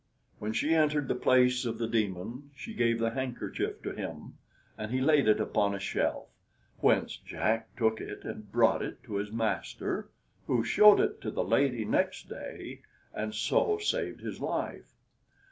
When she entered the place of the demon, she gave the handkerchief to him, and he laid it upon a shelf, whence Jack took it and brought it to his master, who showed it to the lady next day, and so saved his life.